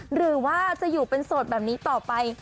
หรือว่าจะอยู่เป็นโสดแบบนี้ต่อไป